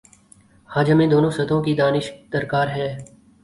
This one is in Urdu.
آج ہمیںدونوں سطحوں کی دانش درکار ہے